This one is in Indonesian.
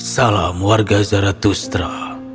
salam warga zarathustra